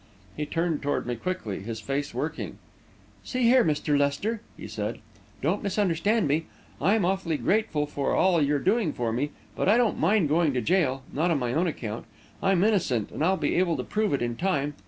He turned toward me quickly, his face working. "See here, Mr. Lester," he said, "don't misunderstand me. I'm awfully grateful for all you're doing for me; but I don't mind going to jail not on my own account. I'm innocent, and I'll be able to prove it in time.